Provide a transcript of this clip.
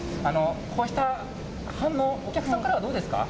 こうした反応、お客さんからはどうですか？